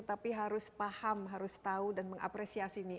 tapi harus paham harus tahu dan mengapresiasi ini